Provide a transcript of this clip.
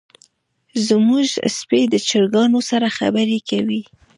زمونږ سپی د چرګانو سره خبرې کوي.